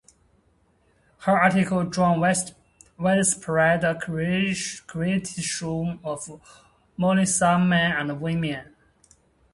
Her article drew widespread criticism of Muslim men and women.